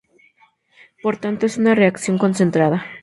Por tanto es una reacción concertada.